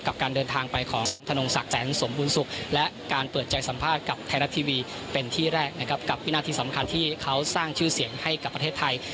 กับการเดินทางไปของธนงศักดิ์แสนสมบูรณสุขและการเปิดใจสัมภาษณ์กับไทยรัฐทีวีเป็นที่แรกนะครับกับวินาทีสำคัญที่เขาสร้างชื่อเสียงให้กับประเทศไทย